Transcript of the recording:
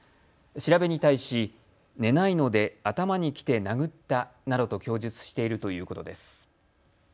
調べに対し寝ないので頭にきて殴ったなどと供述しているということです。